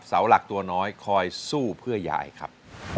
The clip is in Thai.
เสาหลักตัวน้อยคอยสู้เพื่อยายครับ